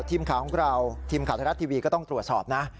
ทีมข่าวทีมข่าวไทยรัฐทีวีก็ต้องตรวจสอบนะ